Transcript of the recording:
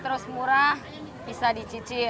terus murah bisa dicicil